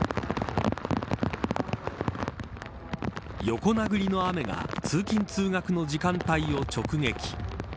横殴りの雨が通勤、通学の時間帯を直撃。